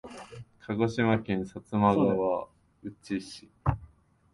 鹿児島県薩摩川内市